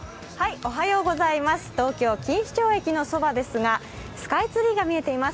おはようございます、東京・錦糸町駅のそばですが、スカイツリーが見えています。